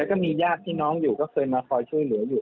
แล้วก็มีญาติพี่น้องอยู่ก็เคยมาคอยช่วยเหลืออยู่